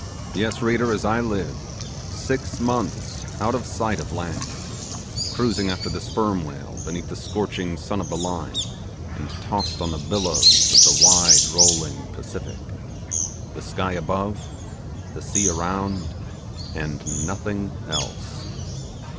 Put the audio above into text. Yes, reader, as I live, six months out of sight of land; cruising after the sperm whale beneath the scorching sun of the Line, and tossed on the billows of the wide rolling Pacific the sky above, the sea around, and nothing else!